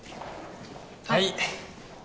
はい。